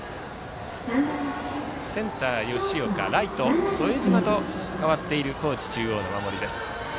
センター、吉岡ライト、副島と変わっている高知中央の守りです。